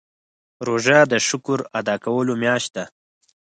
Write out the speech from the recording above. روژه د شکر ادا کولو میاشت ده.